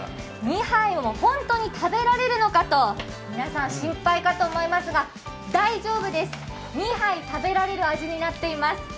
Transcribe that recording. ２杯を本当に食べられるのかと皆さん心配かと思いますが大丈夫です、２杯食べられる味になっています。